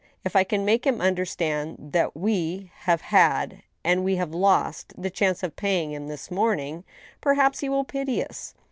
If I can make him understand that we have had and we have lost the chance of paying him this morning, perhaps he will pity us.